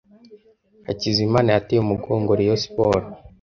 hakizimana yateye umugongo rayon sport